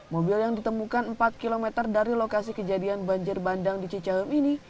mobil yang ditemukan empat km dari lokasi kejadian banjir bandang di cicahem ini